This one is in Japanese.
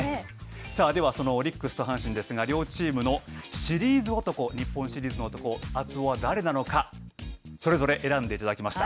ではそのオリックスと阪神ですが、両チームのシリーズ男、日本シリーズの男、熱男は誰なのか、それぞれ選んでいただきました。